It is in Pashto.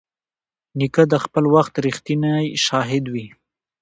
نیکه د خپل وخت رښتینی شاهد وي.